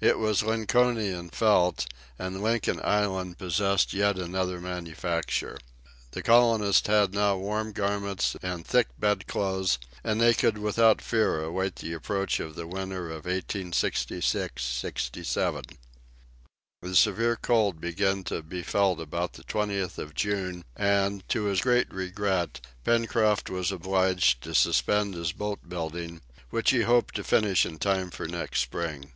It was "Lincolnian felt," and Lincoln Island possessed yet another manufacture. The colonists had now warm garments and thick bedclothes, and they could without fear await the approach of the winter of 1866 67. The severe cold began to be felt about the 20th of June, and, to his great regret, Pencroft was obliged to suspend his boat building, which he hoped to finish in time for next spring.